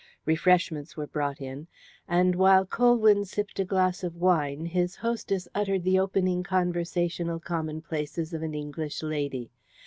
Refreshments were brought in, and while Colwyn sipped a glass of wine his hostess uttered the opening conversational commonplaces of an English lady.